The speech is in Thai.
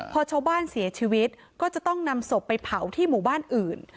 พอชาวบ้านเสียชีวิตก็จะต้องนำศพไปเผาที่หมู่บ้านอื่น